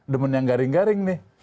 demen yang garing garing nih